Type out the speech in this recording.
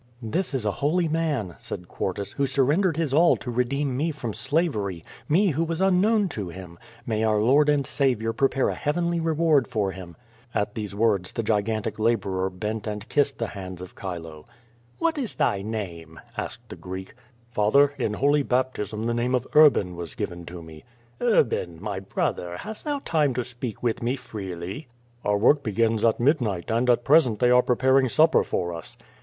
"This is a holy man," said Quartus,"who surrendered his all to redeem me from slavery, me who was unknown to him. May our Lord and Saviour prepare a heavenly reward for him." At these words the gigantic laborer bent and kissed the hands of Chilo. "What is thy name?" asked the Greek. *Tather, in holy baptism, the name of Urban was given to me." "Urban, my brother, hast thou time to speak with me freely?" "Our work begins at midnight, and at present they are preparing supper for us."